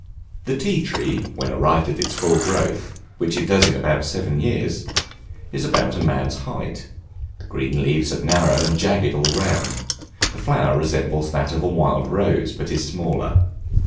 The Tea tree when arrived at its full growth, which it does in about seven years, is about a man's height; the green leaves are narrow, and jagged all round; the flower resembles that of the wild rose, but is smaller.